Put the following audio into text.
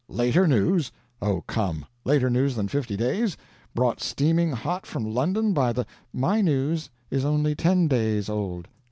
"Later news? Oh, come later news than fifty days, brought steaming hot from London by the " "My news is only ten days old."